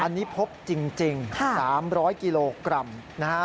อันนี้พบจริง๓๐๐กิโลกรัมนะฮะ